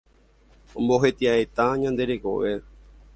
Ombohetia'éta ñande rekove